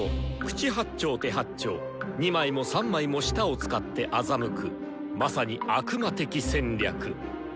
口八丁手八丁二枚も三枚も舌を使って欺くまさに悪魔的戦略。